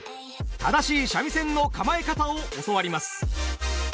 正しい三味線の構え方を教わります。